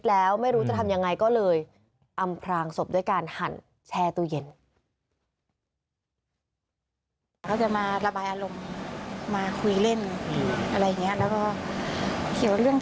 แล้วไม่รู้จะทำยังไงก็เลยอำพรางศพด้วยการหั่นแช่ตู้เย็น